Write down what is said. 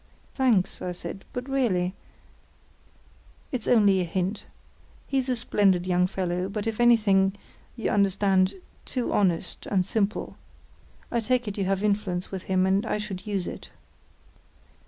"Thanks," I said, "but really——" "It's only a hint. He's a splendid young fellow, but if anything—you understand—too honest and simple. I take it you have influence with him, and I should use it."